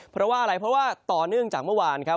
เพราะว่าอะไรเพราะว่าต่อเนื่องจากเมื่อวานครับ